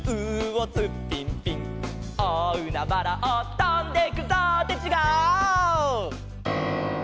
「おおうなばらをとんでくぞ」ってちがう！